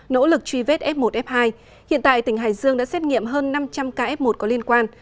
nỗ lực truy vết f một f hai hiện tại tỉnh hải dương đã xét nghiệm hơn năm trăm linh ca f một có liên quan